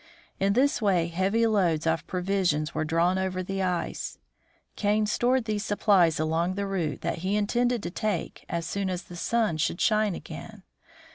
In this way heavy loads of provisions were drawn over the ice. Kane stored these supplies along the route that he intended to take as soon as the sun should shine again.